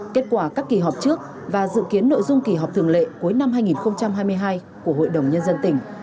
kết quả các kỳ họp trước và dự kiến nội dung kỳ họp thường lệ cuối năm hai nghìn hai mươi hai của hội đồng nhân dân tỉnh